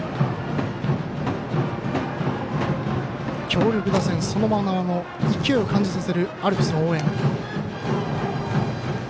強力打線の勢いを感じさせるアルプスの応援。